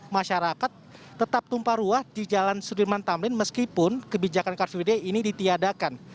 masyarakat tetap tumpah ruah di jalan sudirman tamrin meskipun kebijakan kartu bd ini ditiadakan